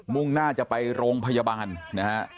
่งหน้าจะไปโรงพยาบาลนะฮะ